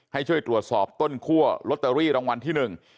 ให้ช่วยตรวจสอบต้นคั่วลอตเตอรี่รางวัลที่หนึ่ง